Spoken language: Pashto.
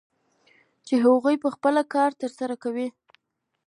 چې هغوی به خپل کار ترسره کوي